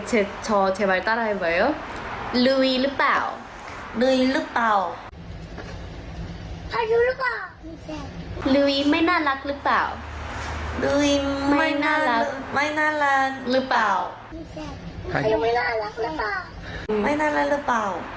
เห็นตัวเพลงของลุครับ